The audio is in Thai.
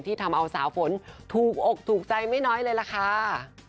ทำเอาสาวฝนถูกอกถูกใจไม่น้อยเลยล่ะค่ะ